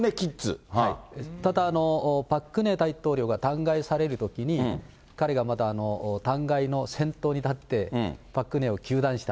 ただ、パク・クネ大統領が弾劾されるときに、彼がまだ弾劾の先頭に立って、パク・クネを糾弾した。